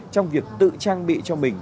trong việc tự trang bị cho mình